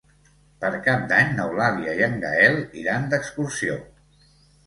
Per Cap d'Any n'Eulàlia i en Gaël iran d'excursió.